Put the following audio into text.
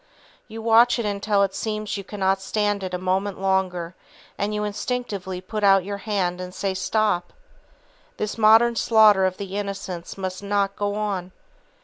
You watch it until it seems you cannot stand it a moment longer, and you instinctively put out your hand and say: "Stop! This modern slaughter of the Innocents must not go on!"